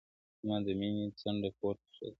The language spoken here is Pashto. زما د ميني جنډه پورته ښه ده,